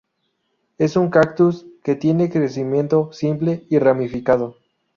Es un cactus que tiene crecimiento simple y ramificado.